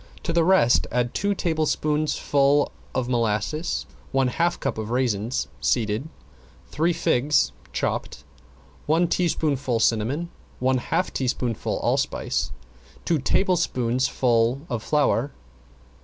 To the rest add two tablespoonfuls of molasses, one half cup of raisins (seeded), three figs (chopped), one teaspoonful cinnamon, one half teaspoonful allspice, two tablespoonfuls of flour.